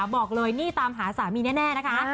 บอกเลยนี่ตามหาสามีแน่นะคะ